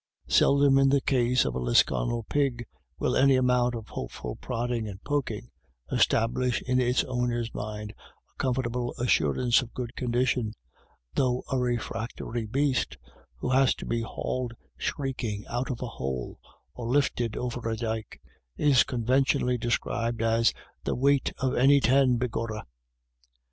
Seldom, in the case of a Lisconnel pig, will any amount of hopeful prodding and poking establish in its owner's mind a comfortable assur ance of good condition ; though a refractory beast, who has to be hauled shrieking out of a hole, or lifted over a dyke, is conventionally described as " the weight of any ten, begorrah."